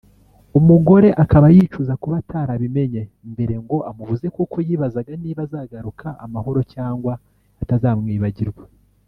umugore akaba yicuza kuba atarabimenye mbere ngo amubuze kuko y’ibazaga n’iba azagaruka amahoro cyangwa atazamwibagirwa